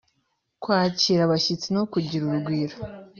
kwakira abashyitsi no kugira urugwiro